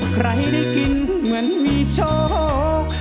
ใครได้กินเหมือนมีโชค